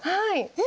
え！